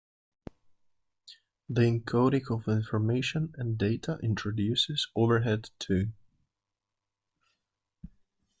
The encoding of information and data introduces overhead too.